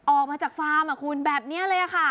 ออกมาจากฟาร์มคุณแบบนี้เลยค่ะ